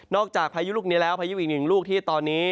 จากพายุลูกนี้แล้วพายุอีกหนึ่งลูกที่ตอนนี้